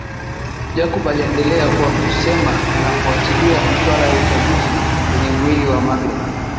Jacob aliendelea kwa kusema anafuatilia masuala ya uchunguzi kwenye mwili wa magreth